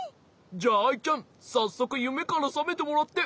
じゃあアイちゃんさっそくゆめからさめてもらって。